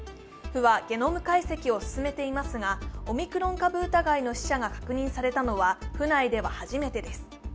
府はゲノム解析を進めていますが、オミクロン株疑いの死者が確認されたのは府内では初めてです。